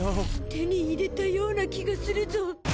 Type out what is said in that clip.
手に入れたような気がするゾ。